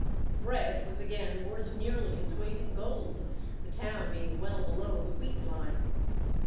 Bread was again worth nearly its weight in gold, the town being well below the wheat line.